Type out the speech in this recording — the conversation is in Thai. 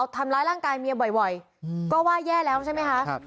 ทำร้ายร่างกายเมียบ่อยก็ว่าแย่แล้วใช่ไหมคะ